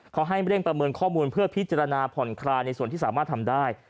เขาให้เร่งประเมินข้อมูลเพื่อพิจารณาผ่อนคลายในส่วนที่สามารถทำได้